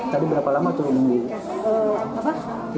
tadi berapa lama tuh lo nunggu